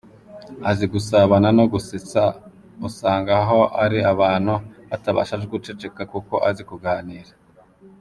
Azi gusabana no gusetsa usanga aho ari abantu batabasha guceceka kuko azi kuganira .